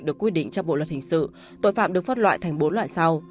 được quy định trong bộ luật hình sự tội phạm được phân loại thành bốn loại sau